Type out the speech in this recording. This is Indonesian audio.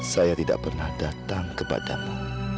saya tidak pernah datang kepadamu